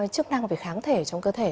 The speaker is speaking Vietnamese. chức năng về kháng thể trong cơ thể